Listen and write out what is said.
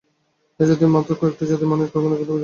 এই জাতির মত একটি জাতির কথা মানুষ এখনও কল্পনা করিতে পারে নাই।